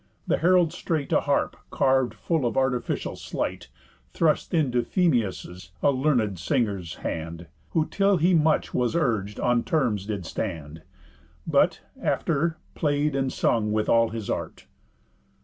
The herald straight A harp, carv'd full of artificial sleight, Thrust into Phemius', a learn'd singer's, hand, Who, till he much was urg'd, on terms did stand, But, after, play'd and sung with all his art.